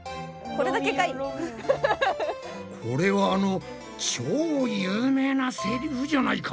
これはあの超有名なセリフじゃないか！